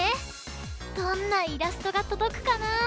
どんなイラストがとどくかな？